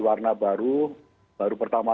warna baru baru pertama